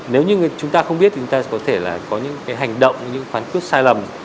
nếu như chúng ta không biết thì chúng ta có thể là có những cái hành động những phán quyết sai lầm